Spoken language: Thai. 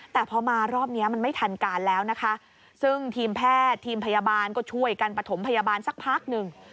แต่พอมารอบเนี้ยมันไม่ทันการแล้วนะคะซึ่งทีมแพทย์ทีมพยาบาลก็ช่วยกันประถมพยาบาลสักพักหนึ่ง